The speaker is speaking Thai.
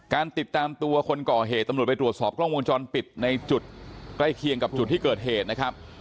การติดตามตัวคนก่อเหตุตำรวจไปตรวจสอบกล้องวงจรปิดในจุดใกล้เคียงกับจุดที่เกิดเหตุนะครับ